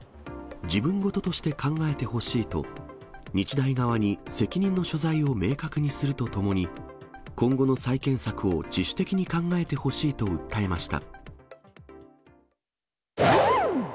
自分ごととして考えてほしいと日大側に責任の所在を明確にするとともに、今後の再建策を自主的に考えてほしいと訴えました。